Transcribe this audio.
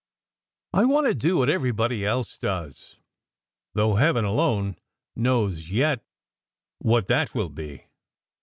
I want to do what everybody else does, though Heaven alone knows yet what that will be.